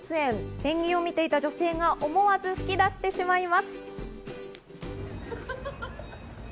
ペンギンを見ていた女性が思わず吹き出してしまいます。